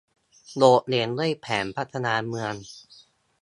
โดดเด่นด้วยแผนพัฒนาเมือง